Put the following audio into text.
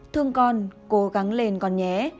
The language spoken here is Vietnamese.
thương con cố gắng lên con nhé